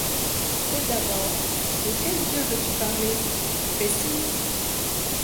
Et d’abord, de quel Dieu veux-tu parler ? Précise.